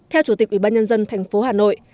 theo chủ tịch ubnd tp hà nội